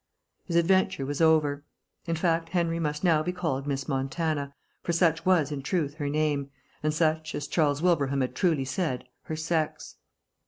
His adventure was over. In fact, Henry must now be called Miss Montana, for such was, in truth, her name, and such, as Charles Wilbraham had truly said, her sex.